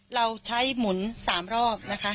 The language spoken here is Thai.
เราใช้หมุน๓รอบนะคะ